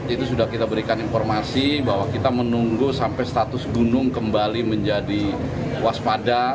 itu sudah kita berikan informasi bahwa kita menunggu sampai status gunung kembali menjadi waspada